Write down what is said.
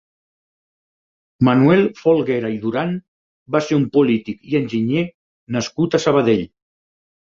Manuel Folguera i Duran va ser un polític i enginyer nascut a Sabadell.